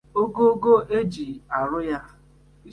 ogoogo e ji arụ ya